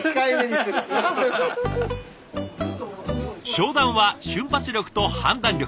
商談は瞬発力と判断力。